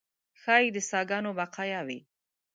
ښایي د ساکانو بقایاوي.